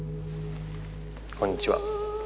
こんにちは。